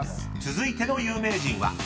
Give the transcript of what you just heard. ［続いての有名人は？］